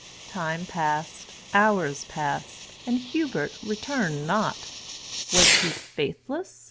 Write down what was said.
Time passed—hours passed—and Hubert returned not. Was he faithless?